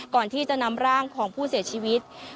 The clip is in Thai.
ก่อนที่จะนำร่างของผู้เสียชีวิต